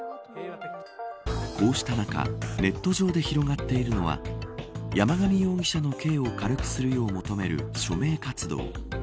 こうした中ネット上で広がっているのは山上容疑者の刑を軽くするよう求める署名活動。